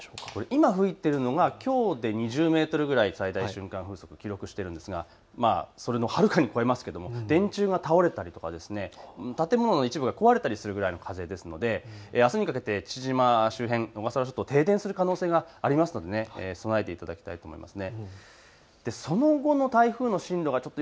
今吹いているのがきょうで２０メートルくらい、最大瞬間風速、記録しているんですがそれをはるかに超えますが電柱が倒れたりとか建物の一部が壊れたりするくらいの風ですのであすにかけて父島周辺小笠原諸島、停電する可能性がありますので備えていただきたいです。